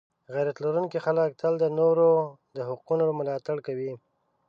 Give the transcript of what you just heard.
غیرت لرونکي خلک تل د نورو د حقونو ملاتړ کوي.